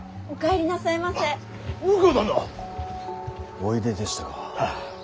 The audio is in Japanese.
おいででしたか。